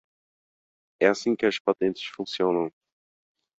É assim que as patentes funcionam.